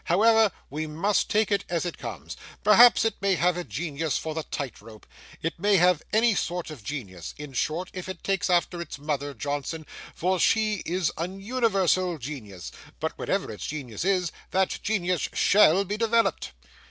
However, we must take it as it comes. Perhaps it may have a genius for the tight rope. It may have any sort of genius, in short, if it takes after its mother, Johnson, for she is an universal genius; but, whatever its genius is, that genius shall be developed.